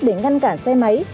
để ngăn cản xe máy